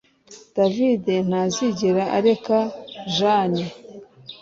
David ntazigera areka Jane